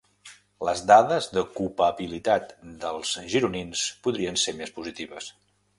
Les dades d'ocupabilitat dels gironins podrien ser més positives.